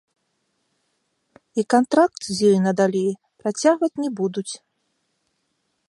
І кантракт з ёй надалей працягваць не будуць.